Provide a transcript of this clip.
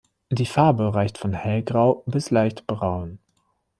Die Farbe reicht von hellgrau bis leicht braun.